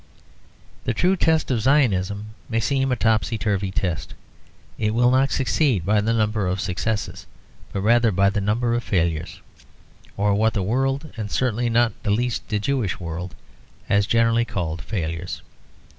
The true test of Zionism may seem a topsy turvy test. It will not succeed by the number of successes, but rather by the number of failures, or what the world (and certainly not least the Jewish world) has generally called failures.